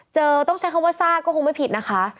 ต้องใช้คำว่าซากก็คงไม่ผิดนะคะ